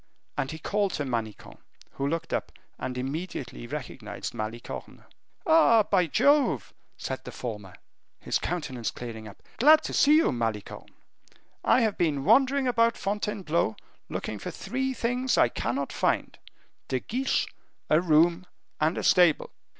And he called to Manicamp, who looked up and immediately recognized Malicorne. "Ah! by Jove!" said the former, his countenance clearing up, "glad to see you, Malicorne. I have been wandering about Fontainebleau, looking for three things I cannot find: De Guiche, a room, and a stable."